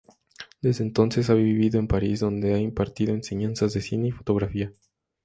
Desde entonces ha vivido en París, donde ha impartido enseñanzas de Cine y Fotografía.